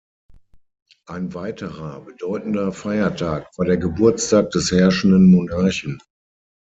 Ein weiterer bedeutender Feiertag war der Geburtstag des herrschenden Monarchen.